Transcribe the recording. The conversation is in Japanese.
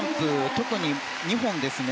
特に、２本ですね。